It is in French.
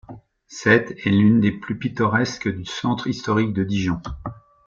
Cette est l'une des plus pittoresque du centre historique de Dijon.